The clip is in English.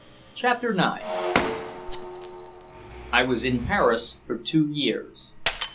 CHAPTER IX I was in Paris for two years.